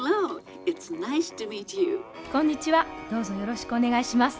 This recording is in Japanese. こんにちはどうぞよろしくお願いします。